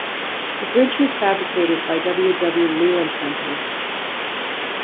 The bridge was fabricated by W. W. Leland Company.